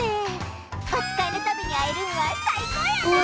おつかいのたびにあえるんはさいこうやなあ！